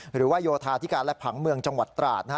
หรือว่าโยธาธิการและผังเมืองจังหวัดตราดนะฮะ